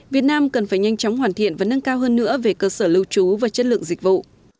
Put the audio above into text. việt nam cần phải nhanh chóng hoàn thiện và nâng cao hơn nữa về cơ sở lưu trú và chất lượng dịch vụ